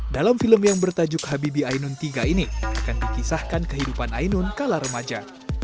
dalam film yang bertajuk habibi ainun tiga ini akan dikisahkan kehidupan ainun kala remaja